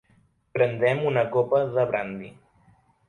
Brandem una copa de brandi.